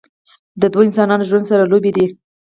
د دوه انسانانو ژوند سره لوبې دي